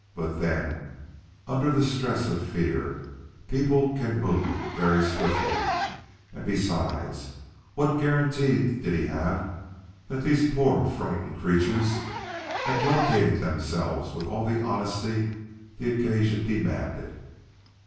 But then, under the stress of fear, people can move very swiftly; and besides, what guarantee did he have that these poor, frightened creatures had located themselves with all the honesty the occasion demanded?